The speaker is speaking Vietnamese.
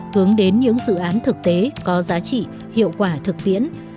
hướng đến những dự án thực tế có giá trị hiệu quả thực tiễn